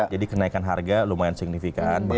jadi kenaikan harga lumayan signifikan